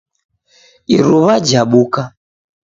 Iruw'a jabuka.